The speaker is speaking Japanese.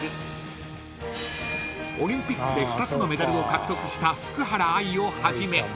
［オリンピックで２つのメダルを獲得した福原愛をはじめ］